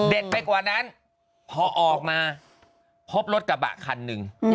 เด็ดไปกว่านั้นพอออกมาพบรถกระเป๋าขันหนึ่ง